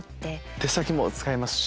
手先も使いますし。